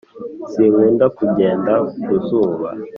Sinkunda kugenda ku zuba